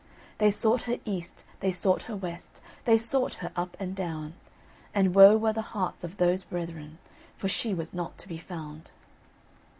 They sought her east, they sought her west, They sought her up and down, And woe were the hearts of those brethren, For she was not to be found.